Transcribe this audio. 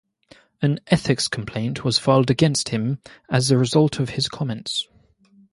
An ethics complaint was filed against him as a result of his comments.